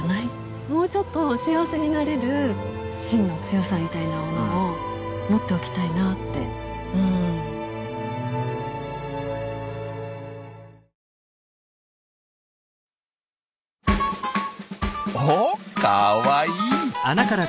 もうちょっと幸せになれるしんの強さみたいなものを持っておきたいなってうん。おっかわいい！